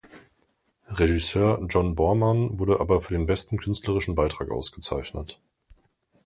Regisseur John Boorman wurde aber für den besten künstlerischen Beitrag ausgezeichnet.